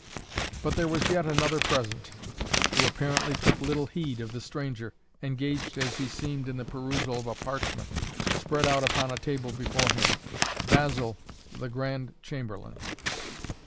But there was yet another present, who apparently took little heed of the stranger, engaged as he seemed in the perusal of a parchment, spread out upon a table before him, Basil, the Grand Chamberlain.